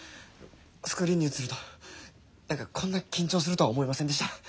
スクリーンに映ると何かこんな緊張するとは思いませんでした。